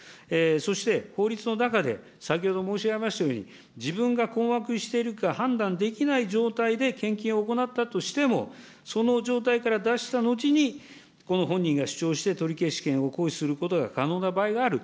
そして法律の中で、先ほど申し上げましたように、自分が困惑しているか判断できない状態で献金を行ったとしても、その状態から脱した後に、この本人が主張して、取消権を行使することが可能な場合がある。